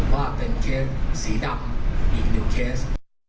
ว่าเป็นเคสสีดำอีกหนึ่งเคส